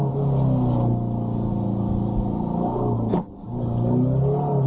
ดูกดสินค้ามงาน